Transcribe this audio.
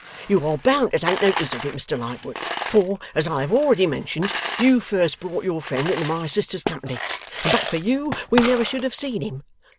You are bound to take notice of it, Mr Lightwood, for, as I have already mentioned, you first brought your friend into my sister's company, and but for you we never should have seen him.